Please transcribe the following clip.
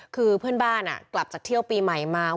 คือเพื่อนบ้านกลับจากเที่ยวปีใหม่มา